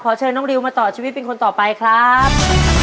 เชิญน้องริวมาต่อชีวิตเป็นคนต่อไปครับ